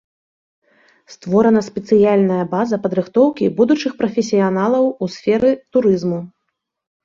Створана спецыяльная база падрыхтоўкі будучых прафесіяналаў у сферы турызму.